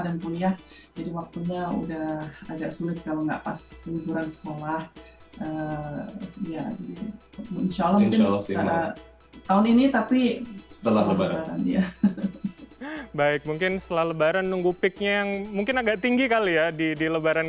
kebetulan ya daih ich depressihin karena kalau lebaran ini kan bukan pas renggikan pas bukan